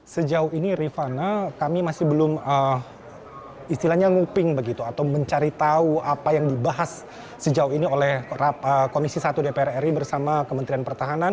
sejauh ini rifana kami masih belum istilahnya nguping begitu atau mencari tahu apa yang dibahas sejauh ini oleh komisi satu dpr ri bersama kementerian pertahanan